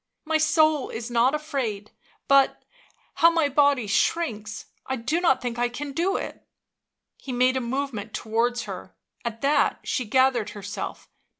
" My soul is not afraid, but ... how my body shrinks !— I do not think I can do it. .. He made a movement towards her; at that she gathered herself.